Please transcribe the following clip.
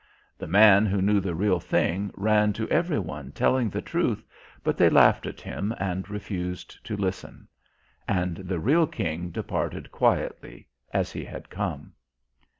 The man who knew the real thing ran to every one telling the truth, but they laughed at him and refused to listen. And the real king departed quietly as he had come.